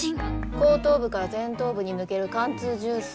後頭部から前頭部に抜ける貫通銃創。